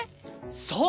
そう！